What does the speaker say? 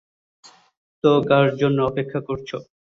তো কার জন্য অপেক্ষা করছ?